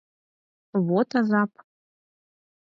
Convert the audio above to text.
ВОТ АЗАП